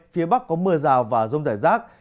phía bắc có mưa rào và rông rải rác